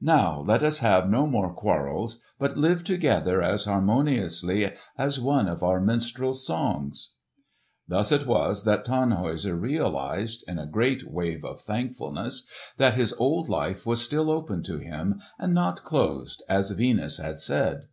"Now let us have no more quarrels, but live together as harmoniously as one of our minstrel's songs." Thus it was that Tannhäuser realised, in a great wave of thankfulness, that his old life was still open to him, and not closed as Venus had said.